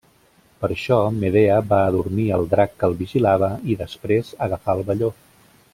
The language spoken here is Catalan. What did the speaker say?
Per això, Medea va adormir el drac que el vigilava i, després, agafà el velló.